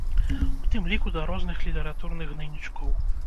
У тым ліку да розных літаратурных гнайнічкоў.